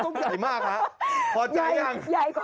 ตัวใหญ่มากครับพอใจยัง